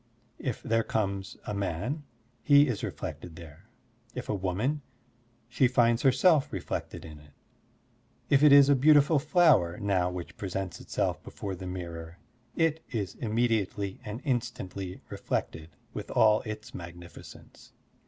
If there comes a man, he is reflected there; if a woman, she finds herself reflected in it; if it is a beautiful flower now which presents itself before the mirror, it is immediately and instantly reflected with all its magnificence.